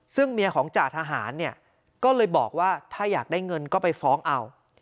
ซึ่งเมียของจ่าทหารเนี่ยก็เลยบอกว่าถ้าอยากได้เงินก็ไปฟ้องเอา